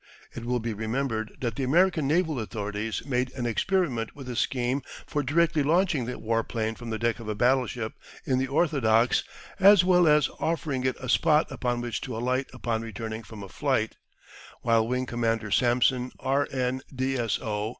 It will be remembered that the American naval authorities made an experiment with a scheme for directly launching the warplane from the deck of a battleship in the orthodox, as well as offering it a spot upon which to alight upon returning from a flight, while Wing Commander Samson, R.N., D.S.O.